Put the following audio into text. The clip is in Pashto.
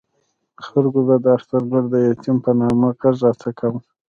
خلکو به د اخترګل د یتیم په نامه غږ راته کاوه.